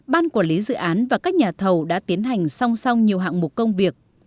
ban quản lý dự án và các nhà thầu đã tiến hành song song nhiều hạng mục công việc